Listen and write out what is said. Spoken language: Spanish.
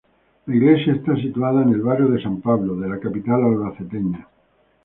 La iglesia está situada en el barrio San Pablo de la capital albaceteña.